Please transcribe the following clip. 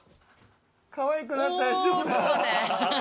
かわいくなったでしょ？